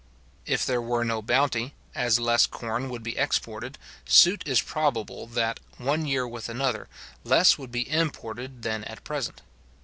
If there were no bounty, as less corn would be exported, so it is probable that, one year with another, less would be imported than at present.